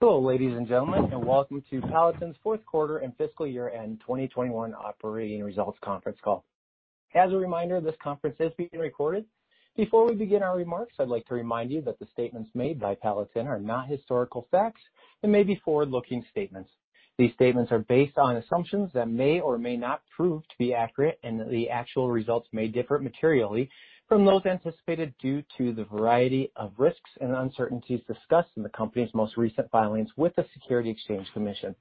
Hello, ladies and gentlemen, welcome to Palatin's 4th quarter and fiscal year-end 2021 operating results conference call. As a reminder, this conference is being recorded. Before we begin our remarks, I'd like to remind you that the statements made by Palatin are not historical facts and may be forward-looking statements. These statements are based on assumptions that may or may not prove to be accurate, and that the actual results may differ materially from those anticipated due to the variety of risks and uncertainties discussed in the company's most recent filings with the Securities and Exchange Commission.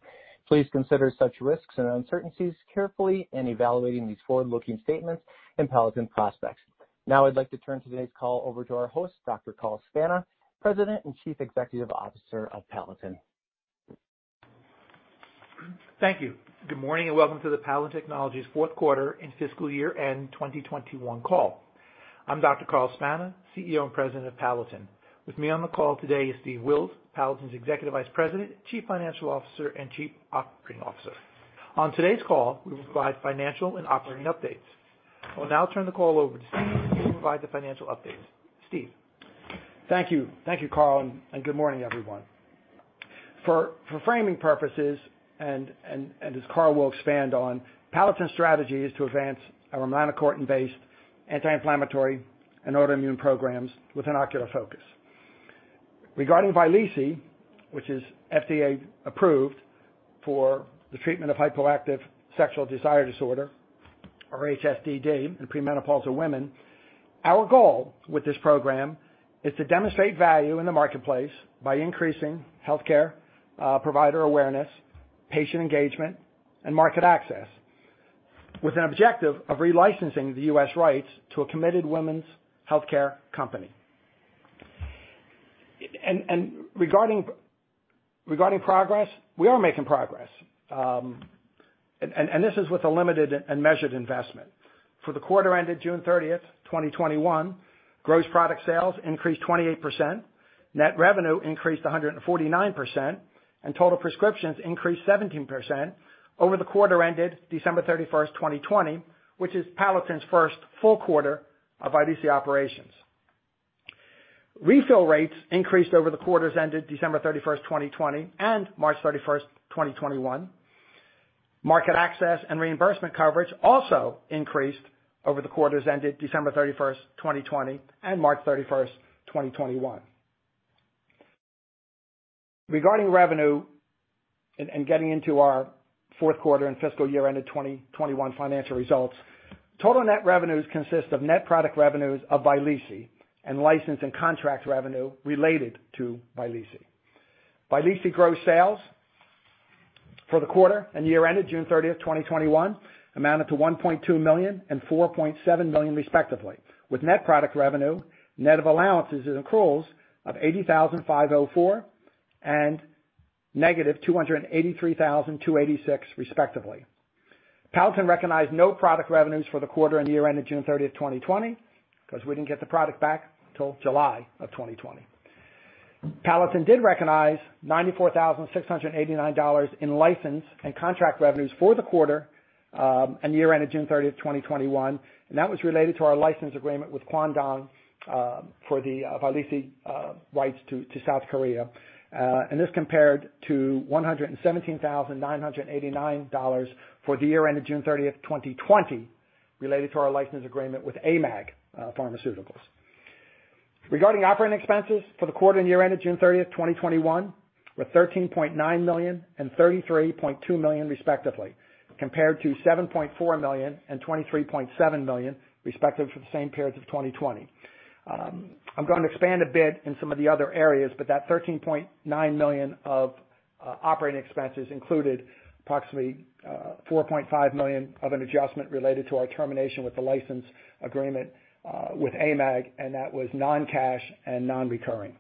Please consider such risks and uncertainties carefully in evaluating these forward-looking statements and Palatin prospects. Now I'd like to turn today's call over to our host, Dr. Carl Spana, President and Chief Executive Officer of Palatin. Thank you. Good morning, and welcome to the Palatin Technologies fourth quarter and fiscal year-end 2021 call. I'm Dr. Carl Spana, CEO and President of Palatin. With me on the call today is Steve Wills, Palatin's Executive Vice President, Chief Financial Officer, and Chief Operating Officer. On today's call, we will provide financial and operating updates. I will now turn the call over to Steve to provide the financial update. Steve. Thank you, Carl, good morning, everyone. For framing purposes, and as Carl will expand on, Palatin's strategy is to advance our melanocortin-based anti-inflammatory and autoimmune programs with an ocular focus. Regarding Vyleesi, which is FDA-approved for the treatment of hypoactive sexual desire disorder, or HSDD, in premenopausal women, our goal with this program is to demonstrate value in the marketplace by increasing healthcare provider awareness, patient engagement, and market access, with an objective of re-licensing the U.S. rights to a committed women's healthcare company. Regarding progress, we are making progress. This is with a limited and measured investment. For the quarter ended June 30th, 2021, gross product sales increased 28%, net revenue increased 149%, and total prescriptions increased 17% over the quarter ended December 31st, 2020, which is Palatin's first full quarter of Vyleesi operations. Refill rates increased over the quarters ended December 31st, 2020, and March 31st, 2021. Market access and reimbursement coverage also increased over the quarters ended December 31st, 2020, and March 31st, 2021. Regarding revenue and getting into our fourth quarter and fiscal year ended 2021 financial results, total net revenues consist of net product revenues of Vyleesi and license and contract revenue related to Vyleesi. Vyleesi gross sales for the quarter and year ended June 30th, 2021, amounted to $1.2 million and $4.7 million respectively, with net product revenue net of allowances and accruals of $80,504 and negative $283,286 respectively. Palatin recognized no product revenues for the quarter and year ended June 30th, 2020, because we didn't get the product back till July of 2020. Palatin did recognize $94,689 in license and contract revenues for the quarter and year ended June 30th, 2021, and that was related to our license agreement with Kwangdong for the Vyleesi rights to South Korea. This compared to $117,989 for the year ended June 30th, 2020, related to our license agreement with AMAG Pharmaceuticals. Regarding operating expenses for the quarter and year ended June 30th, 2021, were $13.9 million and $33.2 million respectively, compared to $7.4 million and $23.7 million respectively for the same periods of 2020. I'm going to expand a bit in some of the other areas, but that $13.9 million of operating expenses included approximately $4.5 million of an adjustment related to our termination with the license agreement with AMAG, and that was non-cash and non-recurring.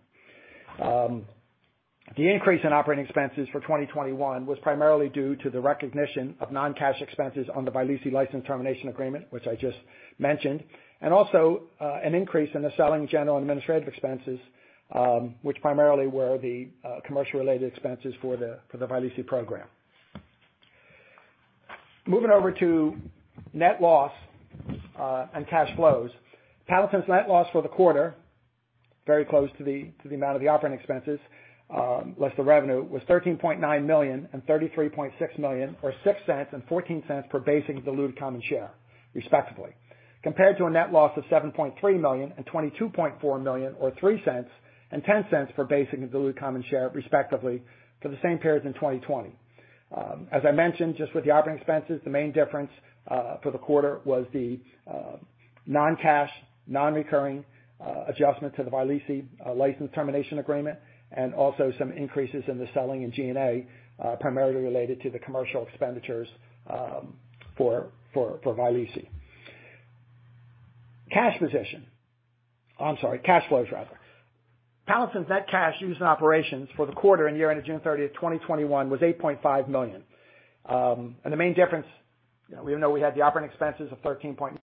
The increase in operating expenses for 2021 was primarily due to the recognition of non-cash expenses on the Vyleesi license termination agreement, which I just mentioned, and also an increase in the selling, general, and administrative expenses, which primarily were the commercial-related expenses for the Vyleesi program. Moving over to net loss and cash flows. Palatin's net loss for the quarter, very close to the amount of the operating expenses, less the revenue, was $13.9 million and $33.6 million, or $0.06 and $0.14 per basic and diluted common share, respectively, compared to a net loss of $7.3 million and $22.4 million, or $0.03 and $0.10 per basic and diluted common share, respectively, for the same periods in 2020. As I mentioned, just with the operating expenses, the main difference for the quarter was the non-cash, non-recurring adjustment to the Vyleesi license termination agreement, and also some increases in the selling and G&A, primarily related to the commercial expenditures for Vyleesi. Cash flows, rather. Palatin's net cash used in operations for the quarter and year ended June 30th, 2021, was $8.5 million. The main difference, even though we had the operating expenses of $13.9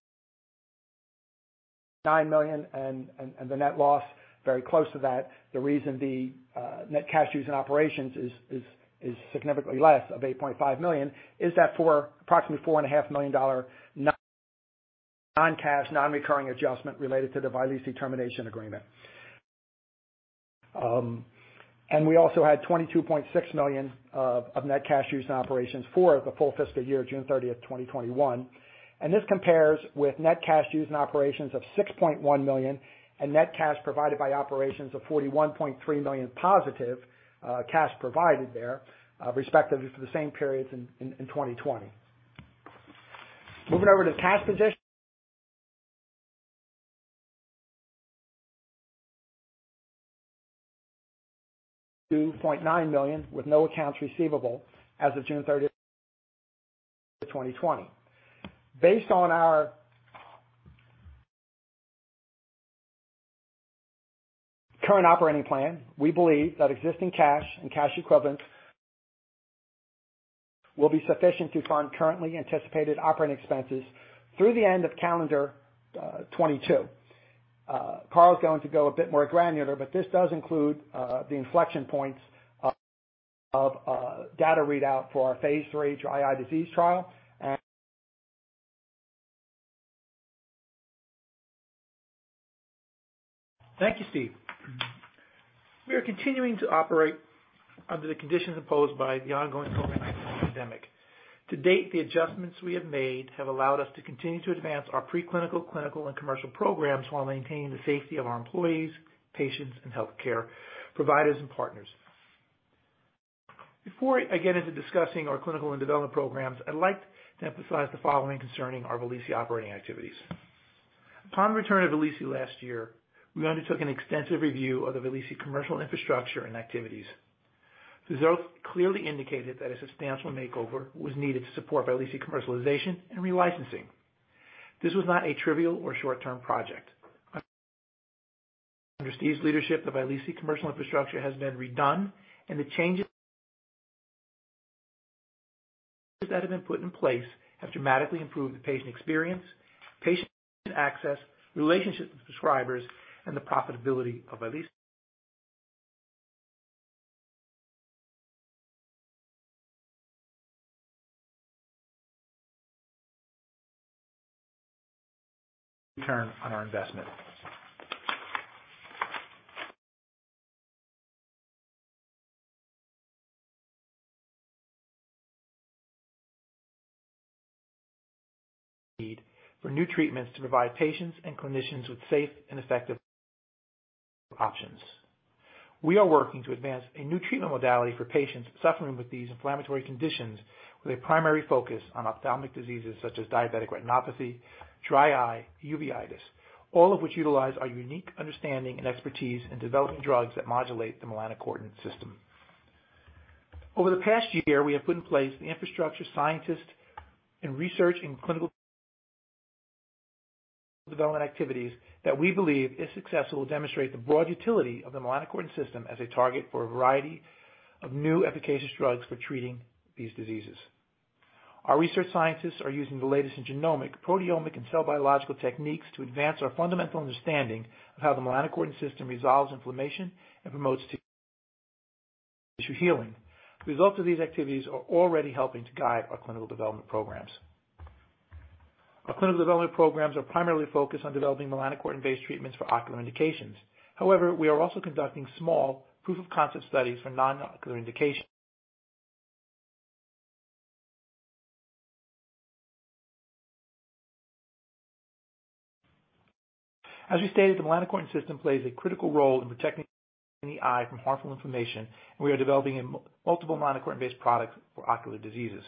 million and the net loss very close to that, the reason the net cash used in operations is significantly less of $8.5 million is that for approximately $4.5 million non-cash, non-recurring adjustment related to the Vyleesi termination agreement. We also had $22.6 million of net cash used in operations for the full fiscal year, June 30th, 2021. This compares with net cash used in operations of $6.1 million and net cash provided by operations of $41.3 million positive, cash provided there, respectively for the same periods in 2020. Moving over to cash position. $22.9 million with no accounts receivable as of June 30th, 2020. Based on our current operating plan, we believe that existing cash and cash equivalents will be sufficient to fund currently anticipated operating expenses through the end of calendar 2022. Carl's going to go a bit more granular, but this does include the inflection points of data readout for our phase III dry eye disease trial. Thank you, Steve. We are continuing to operate under the conditions imposed by the ongoing COVID-19 pandemic. To date, the adjustments we have made have allowed us to continue to advance our pre-clinical, clinical, and commercial programs while maintaining the safety of our employees, patients, and healthcare providers and partners. Before I get into discussing our clinical and development programs, I'd like to emphasize the following concerning our Vyleesi operating activities. Upon return of Vyleesi last year, we undertook an extensive review of the Vyleesi commercial infrastructure and activities. The results clearly indicated that a substantial makeover was needed to support Vyleesi commercialization and re-licensing. This was not a trivial or short-term project. Under Steve Wills's leadership, the Vyleesi commercial infrastructure has been redone, the changes that have been put in place have dramatically improved the patient experience, patient access, relationships with prescribers, and the profitability of Vyleesi return on our investment. Need for new treatments to provide patients and clinicians with safe and effective options. We are working to advance a new treatment modality for patients suffering with these inflammatory conditions with a primary focus on ophthalmic diseases such as diabetic retinopathy, dry eye, uveitis, all of which utilize our unique understanding and expertise in developing drugs that modulate the melanocortin system. Over the past year, we have put in place the infrastructure, scientists, and research in clinical development activities that we believe, if successful, will demonstrate the broad utility of the melanocortin system as a target for a variety of new efficacious drugs for treating these diseases. Our research scientists are using the latest in genomic, proteomic, and cell biological techniques to advance our fundamental understanding of how the melanocortin system resolves inflammation and promotes tissue healing. The results of these activities are already helping to guide our clinical development programs. Our clinical development programs are primarily focused on developing melanocortin-based treatments for ocular indications. We are also conducting small proof-of-concept studies for non-ocular indications. The melanocortin system plays a critical role in protecting the eye from harmful inflammation, and we are developing multiple melanocortin-based products for ocular diseases.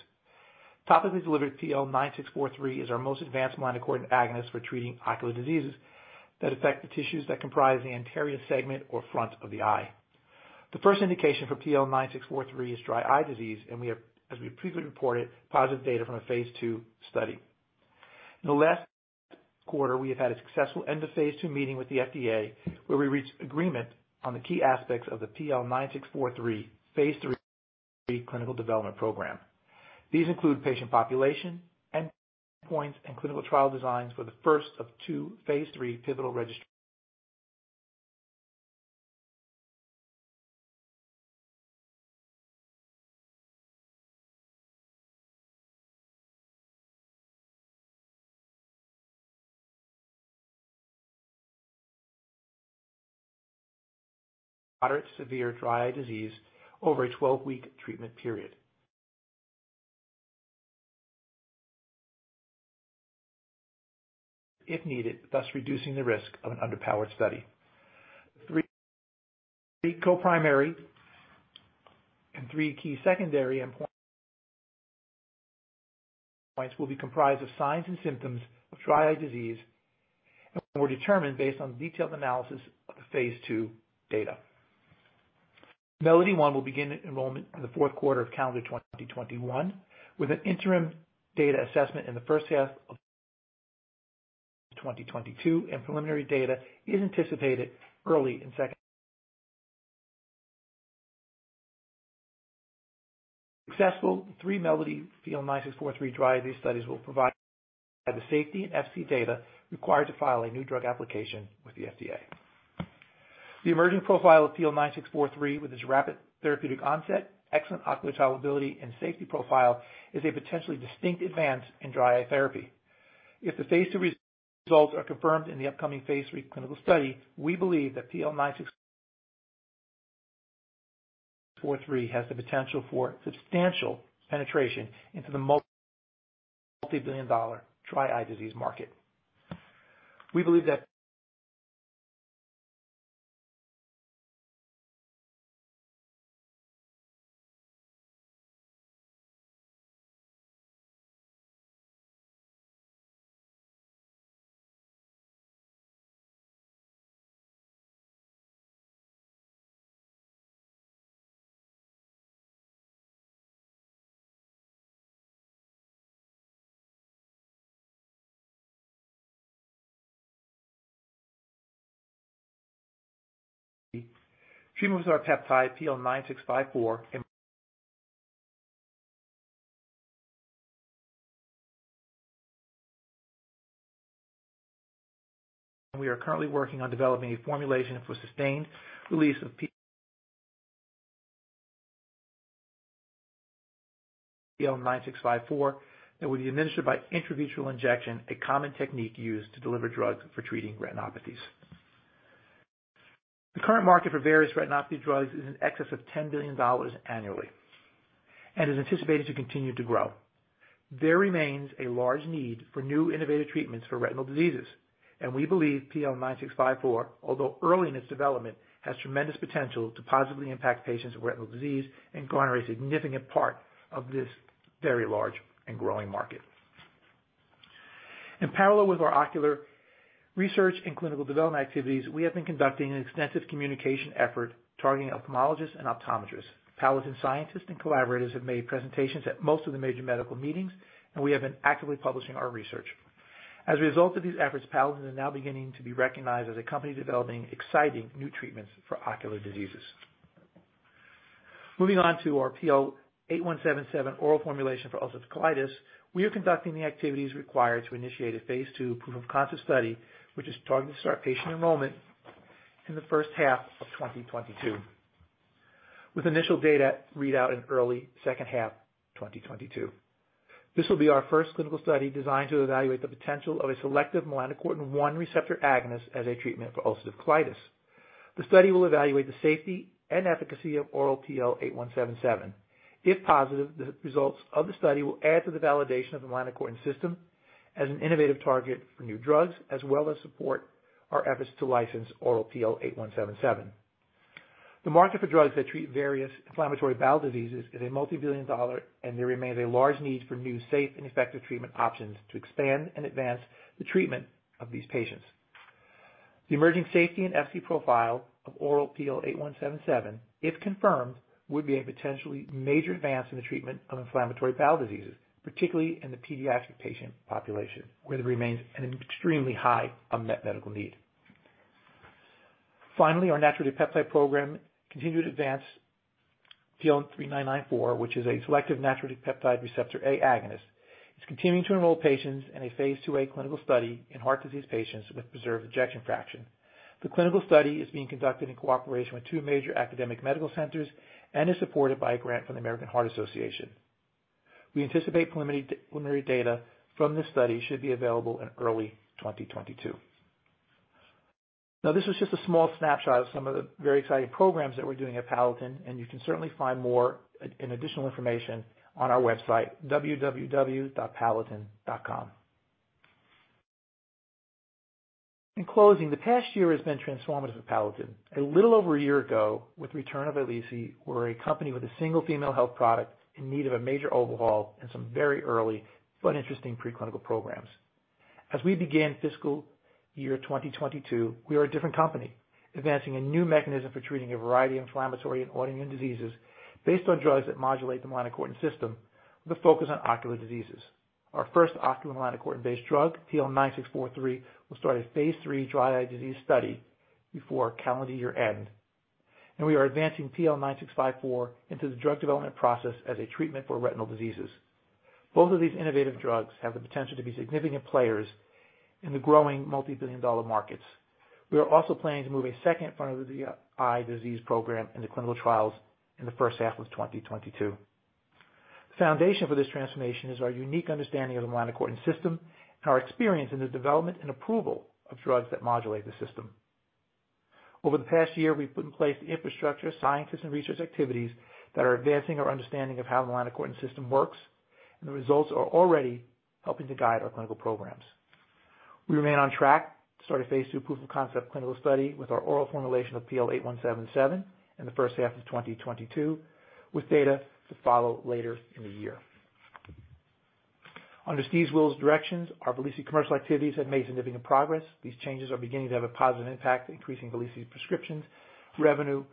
Topically delivered PL9643 is our most advanced melanocortin agonist for treating ocular diseases that affect the tissues that comprise the anterior segment or front of the eye. The first indication for PL9643 is dry eye disease, and we have, as we previously reported, positive data from a phase II study. In the last quarter, we have had a successful end-of-phase II meeting with the FDA, where we reached agreement on the key aspects of the PL9643 phase III clinical development program. These include patient population, endpoints, and clinical trial designs for the first of two phase III pivotal registry, moderate to severe dry eye disease over a 12-week treatment period. If needed, thus reducing the risk of an underpowered study. Three co-primary and 3 key secondary endpoints will be comprised of signs and symptoms of dry eye disease and were determined based on detailed analysis of the phase II data. MELODY-1 will begin enrollment in the fourth quarter of calendar 2021, with an interim data assessment in the first half of 2022, and preliminary data is anticipated. Successful three MELODY PL9643 dry eye disease studies will provide the safety and efficacy data required to file a new drug application with the FDA. The emerging profile of PL9643 with its rapid therapeutic onset, excellent ocular tolerability, and safety profile is a potentially distinct advance in dry eye therapy. If the Phase II results are confirmed in the upcoming Phase III clinical study, we believe that PL9643 has the potential for substantial penetration into the multibillion-dollar dry eye disease market. We believe that treatment with our peptide PL9654 and we are currently working on developing a formulation for sustained release of PL9654 that will be administered by intravitreal injection, a common technique used to deliver drugs for treating retinopathies. The current market for various retinopathy drugs is in excess of $10 billion annually and is anticipated to continue to grow. There remains a large need for new innovative treatments for retinal diseases, we believe PL9654, although early in its development, has tremendous potential to positively impact patients with retinal disease and garner a significant part of this very large and growing market. In parallel with our ocular research and clinical development activities, we have been conducting an extensive communication effort targeting ophthalmologists and optometrists. Palatin scientists and collaborators have made presentations at most of the major medical meetings, we have been actively publishing our research. As a result of these efforts, Palatin is now beginning to be recognized as a company developing exciting new treatments for ocular diseases. Moving on to our PL8177 oral formulation for ulcerative colitis. We are conducting the activities required to initiate a phase II proof-of-concept study, which is targeting to start patient enrollment in the first half of 2022, with initial data read out in early second half 2022. This will be our first clinical study designed to evaluate the potential of a selective melanocortin 1 receptor agonist as a treatment for ulcerative colitis. The study will evaluate the safety and efficacy of oral PL8177. If positive, the results of the study will add to the validation of the melanocortin system as an innovative target for new drugs, as well as support our efforts to license oral PL8177. The market for drugs that treat various inflammatory bowel diseases is a multibillion-dollar, there remains a large need for new, safe, and effective treatment options to expand and advance the treatment of these patients. The emerging safety and efficacy profile of oral PL8177, if confirmed, would be a potentially major advance in the treatment of inflammatory bowel diseases, particularly in the pediatric patient population, where there remains an extremely high unmet medical need. Our natriuretic peptide program continued to advance PL3994, which is a selective natriuretic peptide receptor A agonist. It's continuing to enroll patients in a Phase IIa clinical study in heart disease patients with preserved ejection fraction. The clinical study is being conducted in cooperation with two major academic medical centers and is supported by a grant from the American Heart Association. We anticipate preliminary data from this study should be available in early 2022. This was just a small snapshot of some of the very exciting programs that we're doing at Palatin, and you can certainly find more and additional information on our website, www.palatin.com. In closing, the past year has been transformative at Palatin. A little over a year ago, with the return of Vyleesi, we were a company with a single female health product in need of a major overhaul and some very early but interesting preclinical programs. As we begin fiscal year 2022, we are a different company, advancing a new mechanism for treating a variety of inflammatory and autoimmune diseases based on drugs that modulate the melanocortin system, with a focus on ocular diseases. Our first ocular melanocortin-based drug, PL9643, will start a phase III dry eye disease study before calendar year-end. We are advancing PL9654 into the drug development process as a treatment for retinal diseases. Both of these innovative drugs have the potential to be significant players in the growing multibillion-dollar markets. We are also planning to move a two front of the eye disease program into clinical trials in the first half of 2022. The foundation for this transformation is our unique understanding of the melanocortin system and our experience in the development and approval of drugs that modulate the system. Over the past year, we've put in place the infrastructure, scientists, and research activities that are advancing our understanding of how the melanocortin system works, and the results are already helping to guide our clinical programs. We remain on track to start a phase II proof-of-concept clinical study with our oral formulation of PL8177 in the first half of 2022, with data to follow later in the year. Under Steve Wills's directions, our Vyleesi commercial activities have made significant progress. These changes are beginning to have a positive impact, increasing Vyleesi prescriptions, revenue,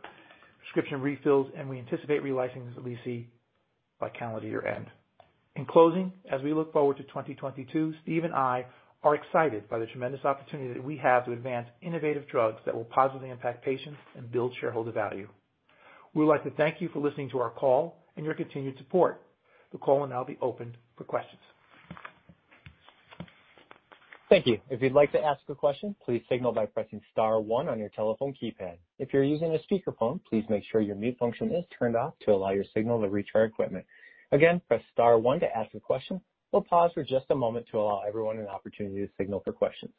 prescription refills, and we anticipate relicensing Vyleesi by calendar year-end. In closing, as we look forward to 2022, Steve and I are excited by the tremendous opportunity that we have to advance innovative drugs that will positively impact patients and build shareholder value. We would like to thank you for listening to our call and your continued support. The call will now be opened for questions. Thank you. If you'd like to ask a question, please signal by pressing star one on your telephone keypad. If you're using a speakerphone, please make sure your mute function is turned off to allow your signal to reach our equipment. Again, press star one to ask a question. We'll pause for just a moment to allow everyone an opportunity to signal for questions.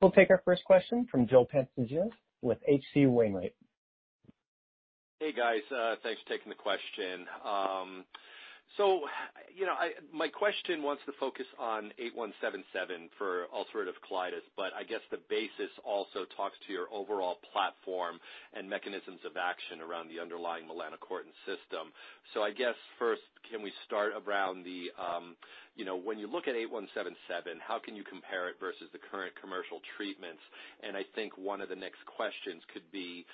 We'll take our first question from Joseph Pantginis with H.C. Wainwright. Hey, guys. Thanks for taking the question. My question wants to focus on PL8177 for ulcerative colitis, but I guess the basis also talks to your overall platform and mechanisms of action around the underlying melanocortin system. I guess first, when you look at PL8177, how can you compare it versus the current commercial treatments? I think one of the next questions could be,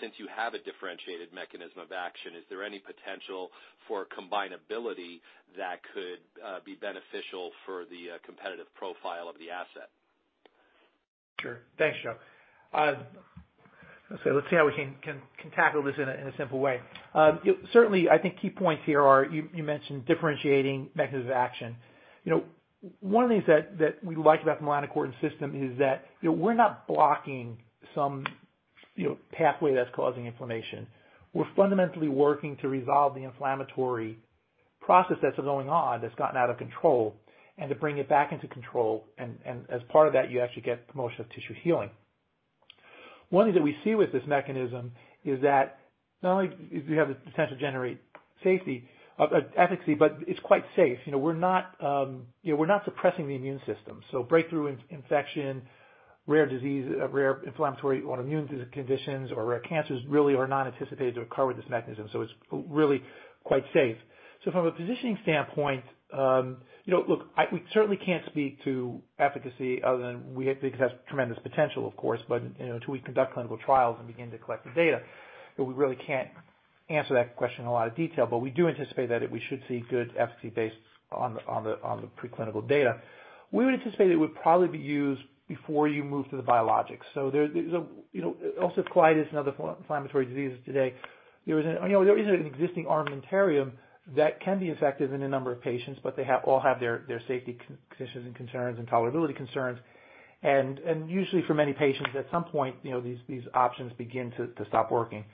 since you have a differentiated mechanism of action, is there any potential for combinability that could be beneficial for the competitive profile of the asset? Sure. Thanks, Joe. Let's see how we can tackle this in a simple way. I think key points here are, you mentioned differentiating mechanism of action. One of the things that we like about the melanocortin system is that we're not blocking some pathway that's causing inflammation. We're fundamentally working to resolve the inflammatory process that's going on, that's gotten out of control, and to bring it back into control. As part of that, you actually get promotion of tissue healing. One thing that we see with this mechanism is that not only do we have the potential to generate efficacy, but it's quite safe. We're not suppressing the immune system. Breakthrough infection, rare inflammatory autoimmune conditions, or rare cancers really are not anticipated to occur with this mechanism. It's really quite safe. From a positioning standpoint, look, we certainly can't speak to efficacy other than we think it has tremendous potential, of course. Until we conduct clinical trials and begin to collect the data, we really can't answer that question in a lot of detail. We do anticipate that we should see good efficacy based on the preclinical data. We would anticipate it would probably be used before you move to the biologics. There's ulcerative colitis and other inflammatory diseases today. There isn't an existing armamentarium that can be effective in a number of patients, but they all have their safety conditions and concerns and tolerability concerns. Usually for many patients, at some point, these options begin to stop working.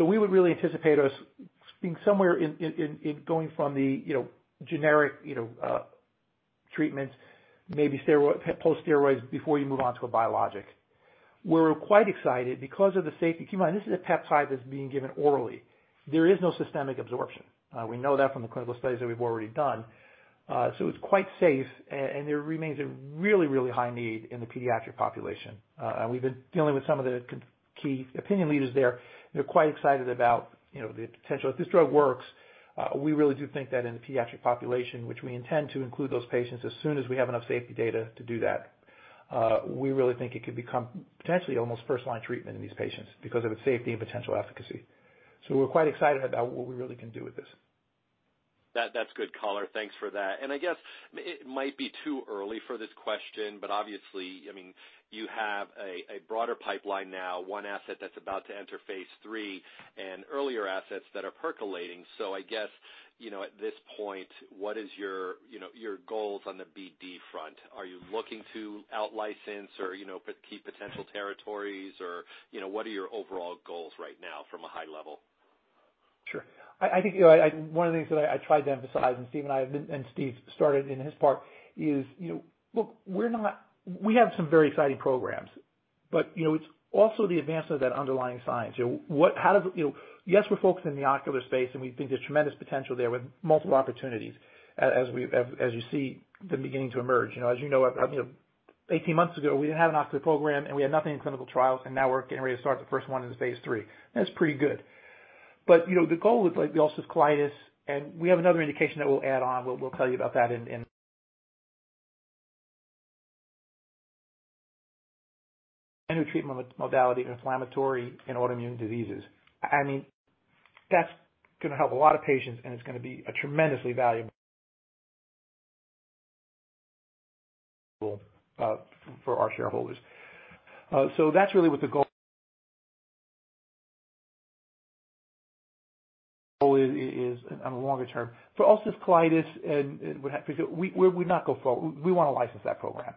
We would really anticipate us being somewhere in going from the generic treatments, maybe post steroids before you move on to a biologic. We're quite excited because of the safety. Keep in mind, this is a peptide that's being given orally. There is no systemic absorption. We know that from the clinical studies that we've already done. It's quite safe, and there remains a really high need in the pediatric population. We've been dealing with some of the key opinion leaders there. They're quite excited about the potential. If this drug works, we really do think that in the pediatric population, which we intend to include those patients as soon as we have enough safety data to do that. We really think it could become potentially almost first-line treatment in these patients because of its safety and potential efficacy. We're quite excited about what we really can do with this. That's good color. Thanks for that. I guess it might be too early for this question, but obviously, you have a broader pipeline now, one asset that's about to enter phase III and earlier assets that are percolating. I guess, at this point, what is your goals on the BD front? Are you looking to out-license or keep potential territories? What are your overall goals right now from a high level? Sure. I think one of the things that I tried to emphasize, and Steve Wills started in his part is, look, we have some very exciting programs. It's also the advancement of that underlying science. Yes, we're focused in the ocular space, and we think there's tremendous potential there with multiple opportunities, as you see them beginning to emerge. As you know, 18 months ago, we didn't have an ocular program, and we had nothing in clinical trials, and now we're getting ready to start the first one in the phase III. That's pretty good. The goal with the ulcerative colitis, and we have another indication that we'll add on. We'll tell you about that in new treatment modality in inflammatory and autoimmune diseases. That's going to help a lot of patients, and it's going to be a tremendously valuable for our shareholders. That's really what the goal is on the longer term. For ulcerative colitis, we want to license that program.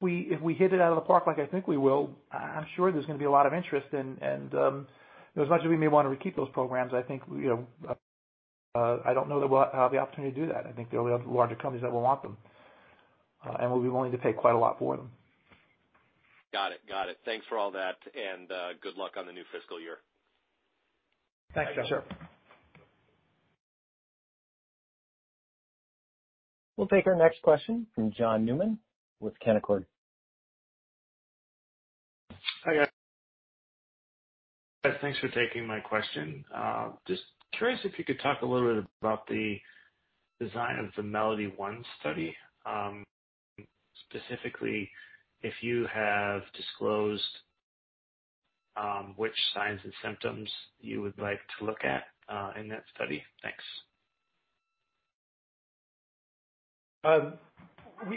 If we hit it out of the park like I think we will, I'm sure there's going to be a lot of interest. As much as we may want to keep those programs, I don't know that we'll have the opportunity to do that. I think there'll be larger companies that will want them. Will be willing to pay quite a lot for them. Got it. Thanks for all that, and good luck on the new fiscal year. Thanks, Joe. Sure. We'll take our next question from John Newman with Canaccord. Hi, guys. Thanks for taking my question. Just curious if you could talk a little bit about the design of the MELODY-1 study. Specifically, if you have disclosed which signs and symptoms you would like to look at in that study. Thanks.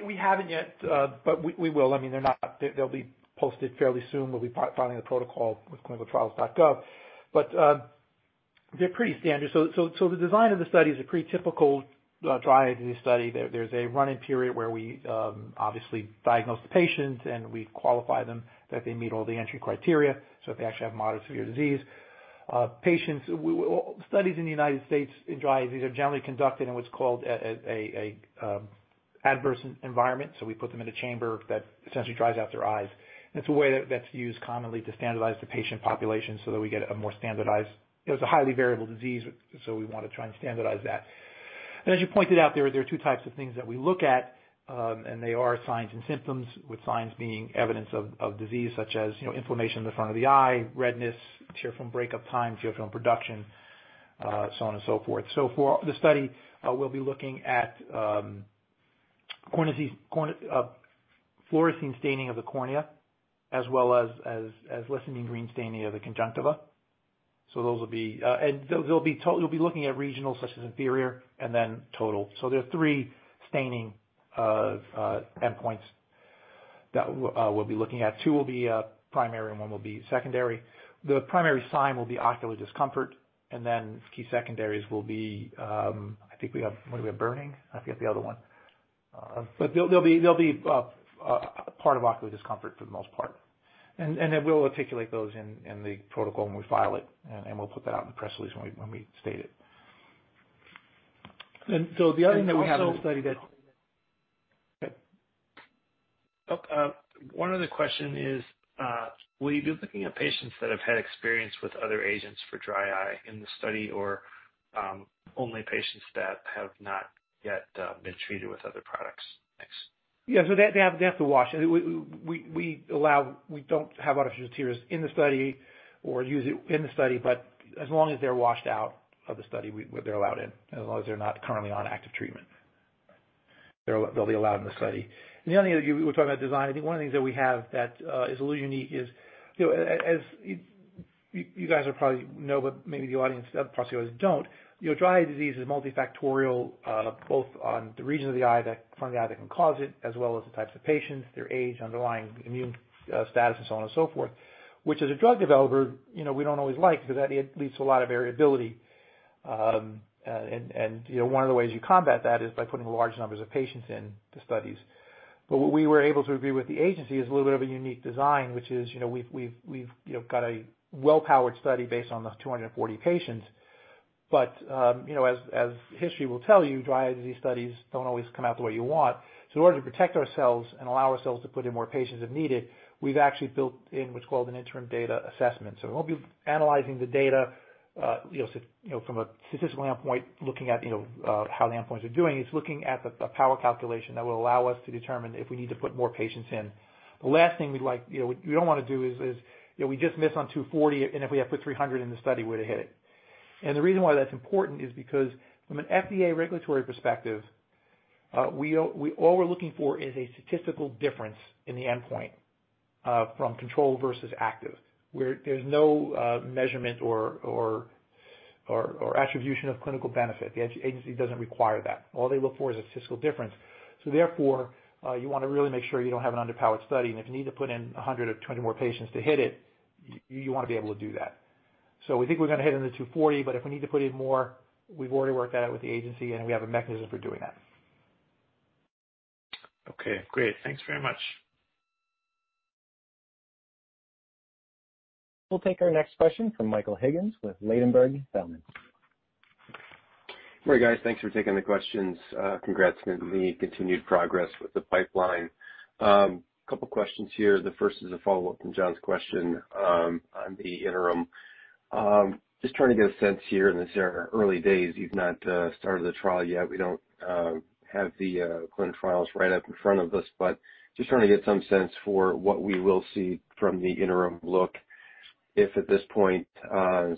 We haven't yet, but we will. They'll be posted fairly soon. We'll be filing the protocol with ClinicalTrials.gov. They're pretty standard. The design of the study is a pretty typical dry eye disease study. There's a run-in period where we obviously diagnose the patients, and we qualify them that they meet all the entry criteria, so if they actually have moderate severe disease. Studies in the U.S. in dry eye, these are generally conducted in what's called controlled adverse environment. We put them in a chamber that essentially dries out their eyes, and it's a way that's used commonly to standardize the patient population. It's a highly variable disease, so we want to try and standardize that. As you pointed out, there are two types of things that we look at. They are signs and symptoms, with signs being evidence of disease such as inflammation in the front of the eye, redness, tear film breakup time, tear film production, so on and so forth. For the study, we'll be looking at fluorescein staining of the cornea, as well as Lissamine green staining of the conjunctiva. We'll be looking at regional, such as inferior and then total. There are three staining endpoints that we'll be looking at. Two will be primary and one will be secondary. The primary sign will be ocular discomfort, and then key secondaries will be, I think we have, what do we have, burning? I forget the other one. They'll be part of ocular discomfort for the most part. We'll articulate those in the protocol when we file it, and we'll put that out in the press release when we state it. The other thing that we have. Also study that. Okay. One other question is, will you be looking at patients that have had experience with other agents for dry eye in the study, or, only patients that have not yet been treated with other products? Thanks. Yeah. They have to wash. We don't have artificial tears in the study or use it in the study. As long as they're washed out of the study, they're allowed in. As long as they're not currently on active treatment, they'll be allowed in the study. The only other thing, we were talking about design, I think one of the things that we have that is a little unique is, as you guys will probably know, but maybe the audience, possibly others don't, dry eye disease is multifactorial, both on the region of the eye, front of the eye that can cause it, as well as the types of patients, their age, underlying immune status, and so on and so forth. Which as a drug developer, we don't always like because that leads to a lot of variability. One of the ways you combat that is by putting large numbers of patients in the studies. What we were able to agree with the agency is a little bit of a unique design, which is, we've got a well-powered study based on the 240 patients. In order to protect ourselves and allow ourselves to put in more patients if needed, we've actually built in what's called an interim data assessment. We won't be analyzing the data from a statistical endpoint, looking at how the endpoints are doing. It's looking at the power calculation that will allow us to determine if we need to put more patients in. The last thing we don't want to do is we just miss on 240, and if we had put 300 in the study, we'd have hit it. The reason why that's important is because from an FDA regulatory perspective, all we're looking for is a statistical difference in the endpoint, from control versus active, where there's no measurement or attribution of clinical benefit. The agency doesn't require that. All they look for is a statistical difference. Therefore, you want to really make sure you don't have an underpowered study. If you need to put in 100 or 200 more patients to hit it, you want to be able to do that. We think we're going to hit in the 240, but if we need to put in more, we've already worked that out with the agency, and we have a mechanism for doing that. Okay, great. Thanks very much. We'll take our next question from Michael Higgins with Ladenburg Thalmann. Hi, guys. Thanks for taking the questions. Congrats on the continued progress with the pipeline. Couple questions here. The first is a follow-up from John's question on the interim. Trying to get a sense here in this early days. You've not started the trial yet. We don't have the clinical trials right up in front of us, but just trying to get some sense for what we will see from the interim look. If at this point,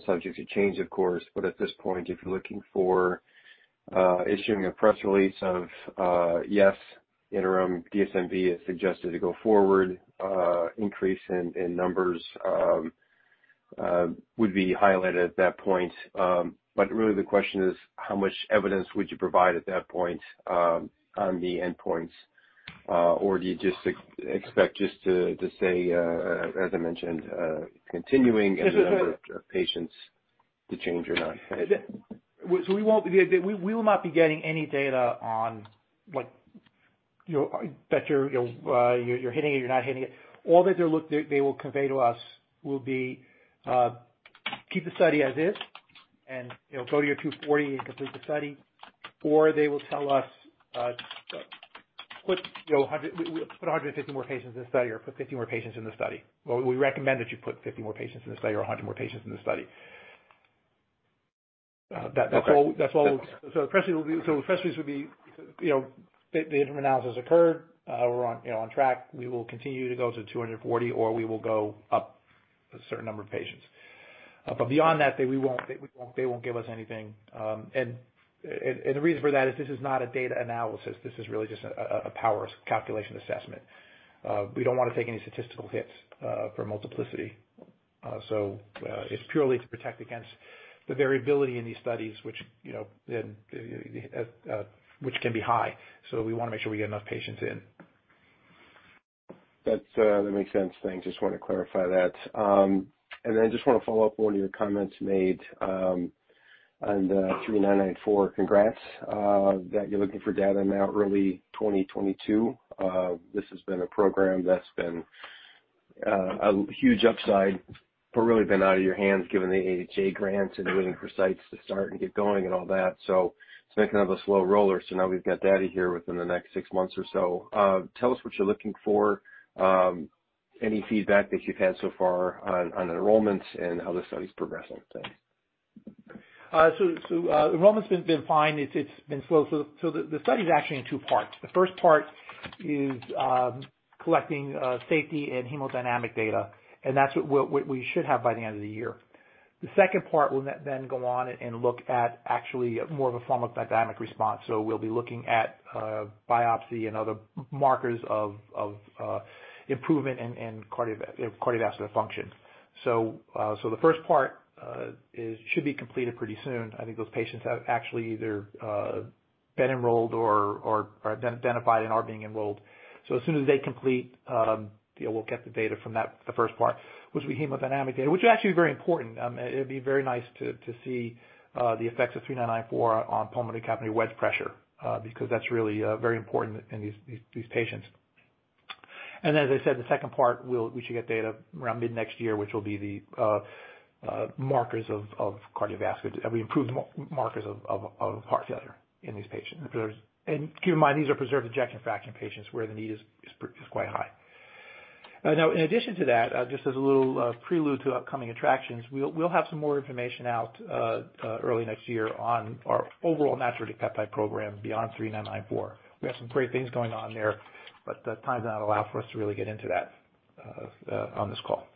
subject to change, of course, but at this point, if you're looking for issuing a press release of, yes, interim DSMB has suggested to go forward, increase in numbers would be highlighted at that point. Really the question is how much evidence would you provide at that point, on the endpoints? Do you just expect to say, as I mentioned, continuing the number of patients to change or not? We will not be getting any data on that you're hitting it, you're not hitting it. All that they will convey to us will be, keep the study as is and go to your 240 and complete the study. They will tell us, put 150 more patients in the study or put 50 more patients in the study. Well, we recommend that you put 50 more patients in the study or 100 more patients in the study. Okay. The press release would be the interim analysis occurred. We're on track. We will continue to go to 240, or we will go up a certain number of patients. Beyond that, they won't give us anything. The reason for that is this is not a data analysis. This is really just a power calculation assessment. We don't want to take any statistical hits for multiplicity. It's purely to protect against the variability in these studies, which can be high. We want to make sure we get enough patients in. That makes sense. Thanks. Just wanted to clarify that. Just want to follow up on one of your comments made on PL3994. Congrats that you're looking for data now early 2022. This has been a program that's been a huge upside, but really been out of your hands given the AHA grants and waiting for sites to start and get going and all that. It's been kind of a slow roller. Now we've got data here within the next six months or so. Tell us what you're looking for, any feedback that you've had so far on enrollments, and how the study's progressing. Thanks. Enrollment's been fine. It's been slow. The study is actually in two parts. The first part is collecting safety and hemodynamic data, and that's what we should have by the end of the year. The second part will then go on and look at actually more of a pharmacodynamic response. We'll be looking at biopsy and other markers of improvement in cardiovascular function. The first part should be completed pretty soon. I think those patients have actually either been enrolled or been identified and are being enrolled. As soon as they complete, we'll get the data from the first part, which will be hemodynamic data, which is actually very important. It'd be very nice to see the effects of PL3994 on pulmonary capillary wedge pressure because that's really very important in these patients. As I said, the second part, we should get data around mid-next year, which will be the improved markers of heart failure in these patients. Keep in mind, these are preserved ejection fraction patients where the need is quite high. In addition to that, just as a little prelude to upcoming attractions, we'll have some more information out early next year on our overall natriuretic peptide program beyond 3994. We have some great things going on there, but the time does not allow for us to really get into that on this call.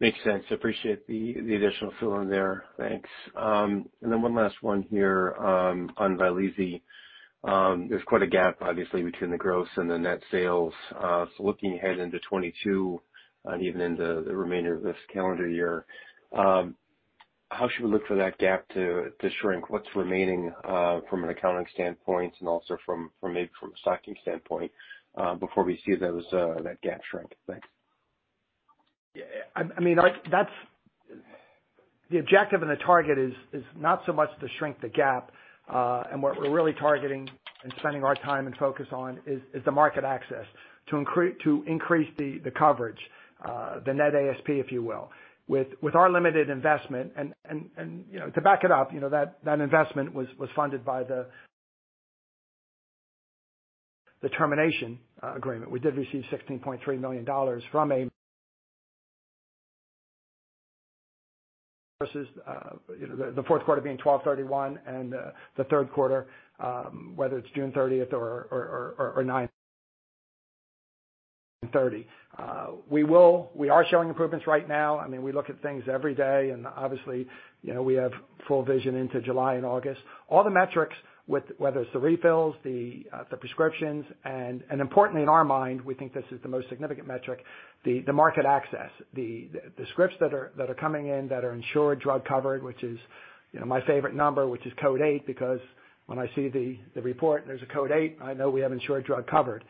Makes sense. Appreciate the additional fill in there. Thanks. One last one here on Vyleesi. There's quite a gap, obviously, between the gross and the net sales. Looking ahead into 2022 and even in the remainder of this calendar year, how should we look for that gap to shrink? What's remaining from an accounting standpoint and also maybe from a stocking standpoint before we see that gap shrink? Thanks. The objective and the target is not so much to shrink the gap. What we're really targeting and spending our time and focus on is the market access to increase the coverage, the net ASP, if you will. With our limited investment, and to back it up, that investment was funded by the termination agreement. We did receive $16.3 million from a versus the fourth quarter being 1,231 and the third quarter, whether it's June 30th or 9/30. We are showing improvements right now. We look at things every day and obviously, we have full vision into July and August. All the metrics, whether it's the refills, the prescriptions, and importantly in our mind, we think this is the most significant metric, the market access. The scripts that are coming in that are insured, drug-covered, which is my favorite number, which is Code 8 because when I see the report and there's a Code 8, I know we have insured drug covered.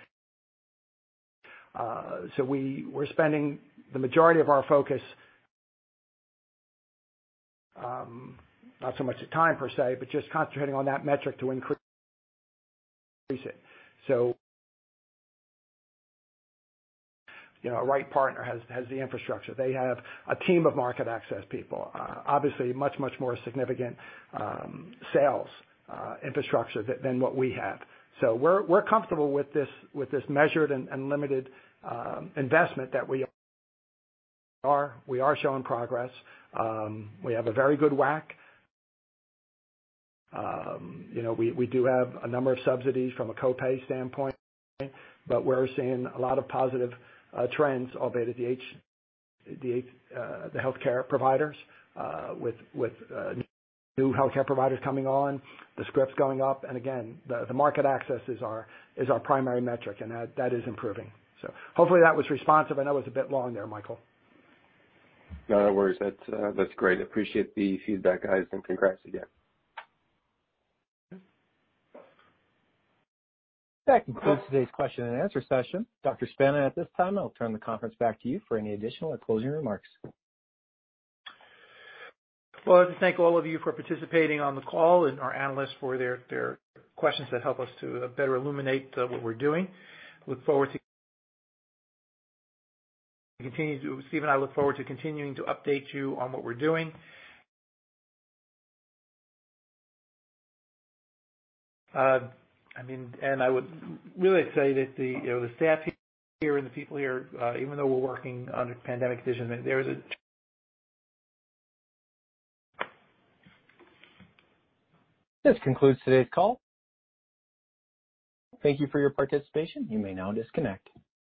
We're spending the majority of our focus, not so much the time per se, but just concentrating on that metric to increase it. A right partner has the infrastructure. They have a team of market access people. Obviously much, much more significant sales infrastructure than what we have. We're comfortable with this measured and limited investment that we are showing progress. We have a very good WAC. We do have a number of subsidies from a copay standpoint, but we're seeing a lot of positive trends albeit the healthcare providers with new healthcare providers coming on, the scripts going up, and again, the market access is our primary metric, and that is improving. Hopefully that was responsive. I know it was a bit long there, Michael. No worries. That is great. Appreciate the feedback, guys, and congrats again. That concludes today's question and answer session. Dr. Spana, at this time, I'll turn the conference back to you for any additional or closing remarks. Well, I want to thank all of you for participating on the call and our analysts for their questions that help us to better illuminate what we're doing. Steve and I look forward to continuing to update you on what we're doing. I would really say that the staff here and the people here, even though we're working on a pandemic division, there is. This concludes today's call. Thank you for your participation. You may now disconnect.